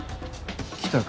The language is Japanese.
来たか。